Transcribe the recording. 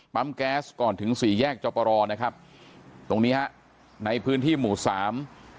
แก๊สก่อนถึงสี่แยกจอปรนะครับตรงนี้ฮะในพื้นที่หมู่สาม